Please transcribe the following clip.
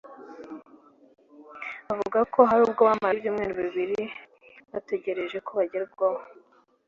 Avuga ko hari ubwo bamaraga ibyumweru bigera kuri bibiri bategereje ko bagerwaho